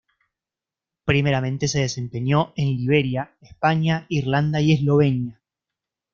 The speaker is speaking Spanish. Primeramente se desempeñó en Liberia, España, Irlanda y Eslovenia.